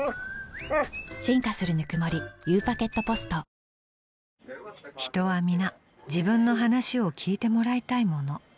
三菱電機［人は皆自分の話を聞いてもらいたいもの］